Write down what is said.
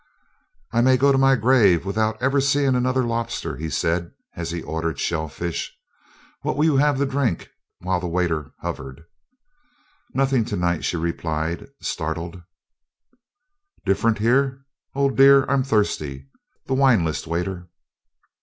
"I may go to my grave without ever seeing another lobster," he said as he ordered shellfish. "What will you have to drink?" while the waiter hovered. "Nothing to night," she replied, startled. "Different here, Old Dear, I'm thirsty. The wine list, waiter."